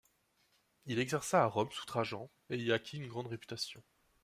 Il exerça à Rome sous Trajan et y acquit une grande réputation.